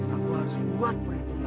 aku harus buat perhitungannya